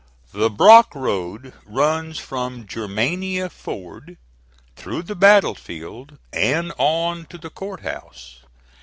The Brock Road runs from Germania Ford through the battle field and on to the Court House.